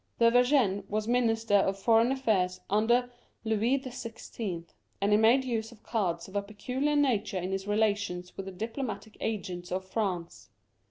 De Vergennes was Minister of Foreign Affairs under Louis XVI., and he made use of cards of a peculiar nature in his relations with the diplomatic agents of France.